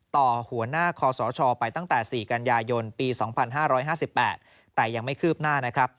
ต่อหัวหน้าคอสชไปตั้งแต่๔กันยายนปี๒๕๕๘แต่ยังไม่คืบหน้านะครับ